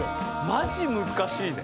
マジ難しいぜ。